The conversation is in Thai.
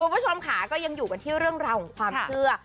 คุณผู้ชมค่ะก็ยังอยู่กันที่เรื่องราวของความเชื่อ